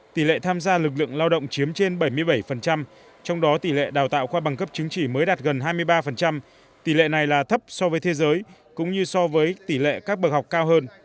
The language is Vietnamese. tỷ lệ tham gia lực lượng lao động chiếm trên bảy mươi bảy trong đó tỷ lệ đào tạo khoa bằng cấp chứng chỉ mới đạt gần hai mươi ba tỷ lệ này là thấp so với thế giới cũng như so với tỷ lệ các bậc học cao hơn